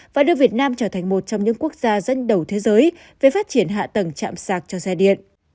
và đưa việt nam trở thành một trong những quốc gia dẫn đầu thế giới về phát triển hạ tầng chạm sạc cho xe điện